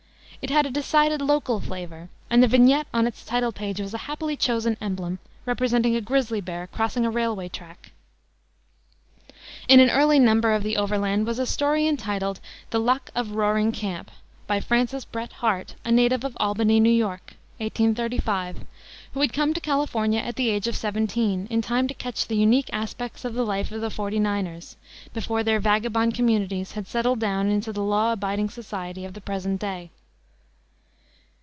It had a decided local flavor, and the vignette on its title page was a happily chosen emblem, representing a grizzly bear crossing a railway track. In an early number of the Overland was a story entitled the Luck of Roaring Camp, by Francis Bret Harte, a native of Albany, N. Y., 1835, who had come to California at the age of seventeen, in time to catch the unique aspects of the life of the Forty niners, before their vagabond communities had settled down into the law abiding society of the present day.